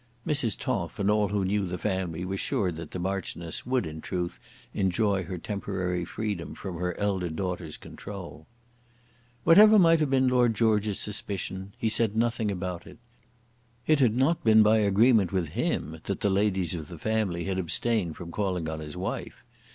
Mrs. Toff and all who knew the family were sure that the Marchioness would, in truth, enjoy her temporary freedom from her elder daughter's control. Whatever might have been Lord George's suspicion, he said nothing about it. It had not been by agreement with him that the ladies of the family had abstained from calling on his wife.